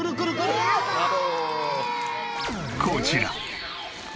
こちら。